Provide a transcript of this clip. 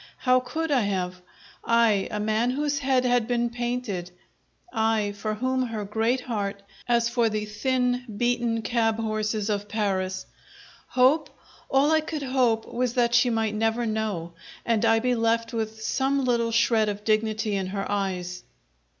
How could I have? I a man whose head had been painted? I for whom her great heart had sorrowed as for the thin, beaten cab horses of Paris! Hope? All I could hope was that she might never know, and I be left with some little shred of dignity in her eyes!